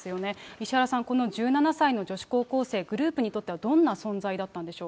石原さん、この１７歳の女子高校生、グループにとってはどんな存在だったん